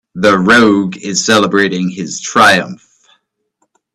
The rogue is celebrating his triumph.